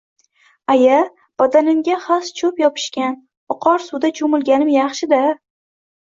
Aya, badanimga xas-cho`p yopishgan, oqar suvda cho`milganim yaxshi-da